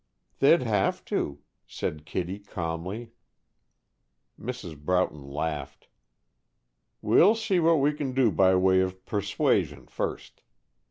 "They'd have to," said Kittie, calmly. Mrs. Broughton laughed. "We'll see what we can do by way of persuasion first.